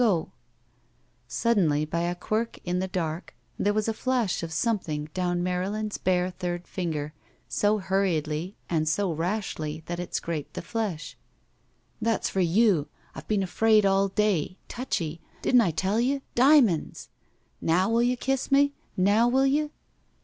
Go —" Suddenly, by a quirk in the dark, there was a flash of something down Marylin 's bare third 136 THE VERTICAL CITY finger, so hurriedly and so rashly that it scraped the flesh. That'sforyou! I've been afraid all day. Touchy! Didn't I tell you? Diamonds! Now will you kiss me? Now will you?"